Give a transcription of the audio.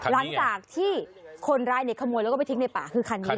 หลังจากที่คนร้ายขโมยแล้วก็ไปทิ้งในป่าคือคันนี้